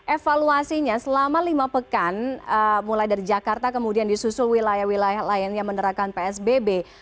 evaluasinya selama lima pekan mulai dari jakarta kemudian disusul wilayah wilayah lain yang menerapkan psbb